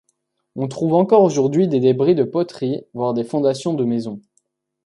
On trouve encore aujourd'hui des débris de poteries, voire des fondations de maisons.